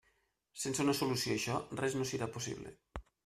Sense una solució a això, res no serà possible.